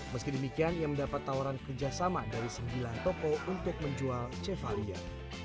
meski demikian ia mendapat tawaran kerjasama dari sembilan toko untuk menjual cevalier